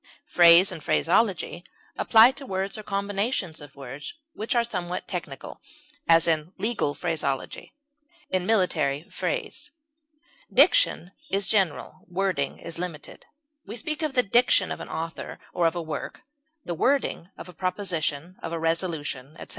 Phrase and phraseology apply to words or combinations of words which are somewhat technical; as, in legal phraseology; in military phrase. Diction is general; wording is limited; we speak of the diction of an author or of a work, the wording of a proposition, of a resolution, etc.